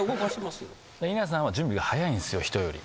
稲さんは準備が早いんすよ人より。